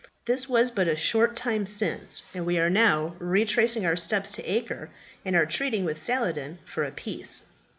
This was but a short time since, and we are now retracing our steps to Acre, and are treating with Saladin for a peace."